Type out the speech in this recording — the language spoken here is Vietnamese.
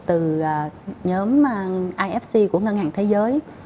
từ nhóm ifc của ngân hàng thế giới